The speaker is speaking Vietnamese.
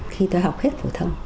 khi tôi học hết phổ thông